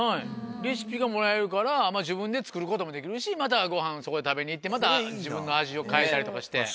レシピがもらえるから自分で作ることもできるしまたごはんそこへ食べに行ってまた自分の味を変えたりとかして。